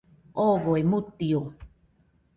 Ogoe mutio